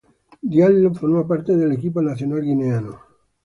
Diallo forma parte del equipo nacional guineano.